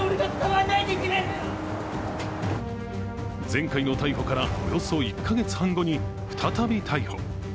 前回の逮捕からおよそ１カ月半後に再び逮捕。